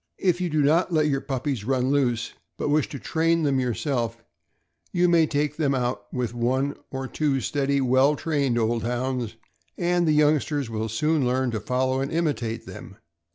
If you do not so let your puppies run loose, but wish to train them yourself, you may take them out with one or two steady, well trained old Hounds, and the youngsters will soon learn to follow and imitate them.